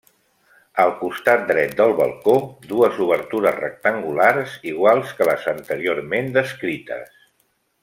Al costat dret del balcó, dues obertures rectangulars iguals que les anteriorment descrites.